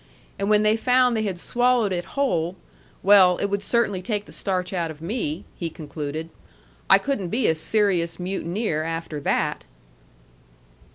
And when they found they had swallowed it whole well, it would certainly take the starch out of me," he concluded. "I couldn't be a serious mutineer after that."